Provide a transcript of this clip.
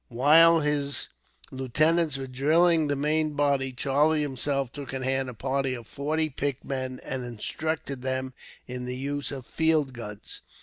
While his lieutenants were drilling the main body, Charlie himself took in hand a party of forty picked men, and instructed them in the use of field guns.